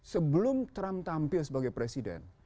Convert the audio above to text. sebelum trump tampil sebagai presiden